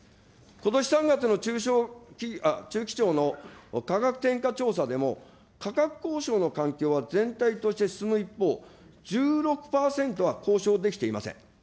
ことし３月の中企庁の価格転嫁調査でも、価格交渉の環境は全体として進む一方、１６％は交渉できていません。